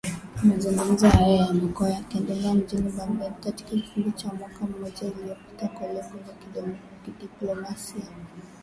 Mazungumzo hayo yamekuwa yakiendelea mjini Baghdad katika kipindi cha mwaka mmoja uliopita kwa lengo la kurejesha uhusiano wa kidiplomasia